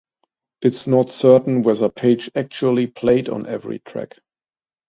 It is not certain whether Page actually played on every track.